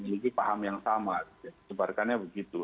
mereka yang memiliki paham yang sama disebarkannya begitu